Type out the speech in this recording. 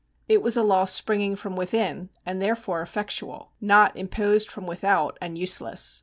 It was a law springing from within, and therefore effectual; not imposed from without, and useless.